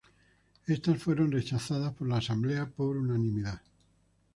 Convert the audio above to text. Estas fueron rechazadas por la Asamblea por unanimidad.